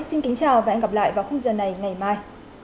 xin kính chào và hẹn gặp lại vào khung giờ này ngày mai